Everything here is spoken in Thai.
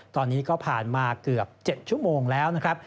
ตอนนี้ก็ผ่านมาเกือบ๗ชั่วโมงแล้วนะครับ